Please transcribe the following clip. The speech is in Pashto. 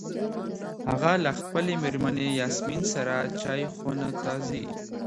هغه له خپلې مېرمنې یاسمین سره چای خونو ته ځي.